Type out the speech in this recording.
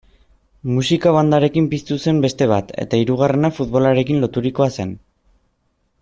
Musika-bandarekin piztu zen beste bat, eta hirugarrena futbolarekin loturikoa zen.